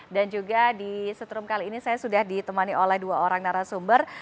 juga di setrum kali ini saya sudah ditemani oleh dua orang narasumber